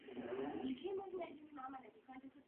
Cílem je nahradit Kjótský protokol závaznou dohodou.